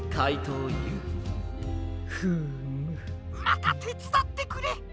☎またてつだってくれ。